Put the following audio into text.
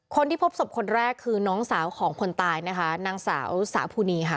คนที่พบศพคนแรกคือน้องสาวของคนตายนะคะนางสาวสาภูนีค่ะ